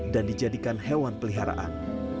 dan dijadikan hewan peliharaan